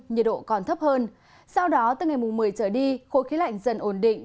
nhiệt độ còn thấp hơn sau đó từ ngày một mươi trở đi khối khí lạnh dần ổn định